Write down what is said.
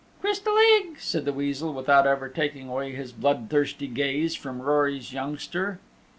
"Crystal Egg," said the Weasel without ever taking away his blood thirsty gaze from Rory's youngster.